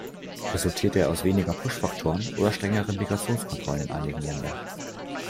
Resultiert er aus weniger Push-Faktoren oder strengeren Migrationskontrollen in einigen Ländern?